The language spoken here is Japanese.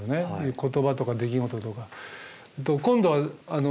言葉とか出来事とか。